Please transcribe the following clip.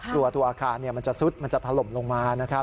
ตัวอาคารมันจะซุดมันจะถล่มลงมานะครับ